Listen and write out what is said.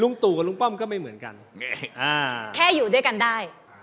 ตู่กับลุงป้อมก็ไม่เหมือนกันแค่อยู่ด้วยกันได้